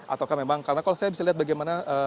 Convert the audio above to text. ataukah memang karena kalau saya bisa lihat bagaimana